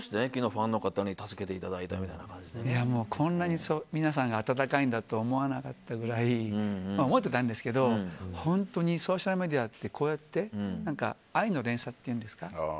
ファンの方にこんなに皆さんが温かいんだと思わなかったぐらい思ってたんですけど本当にソーシャルメディアってこうやって愛の連鎖っていうんですか。